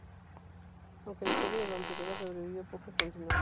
Aunque la serie de "Vampirella" sobrevivió, pocas continuaron.